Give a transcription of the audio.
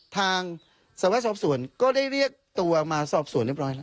ทางสวทชก็ได้เรียกตัวมาสอบส่วนเรียบร้อย